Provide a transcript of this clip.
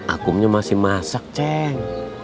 aku masih masak ceng